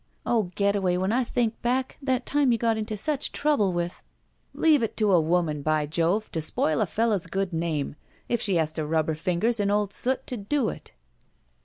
Oh, Getaway, when I think back, that time you got into such trouble with —" "Leave it to a woman, by Jove! to spoil a fellow's good name, if she has to rub her fingers in old soot to do it."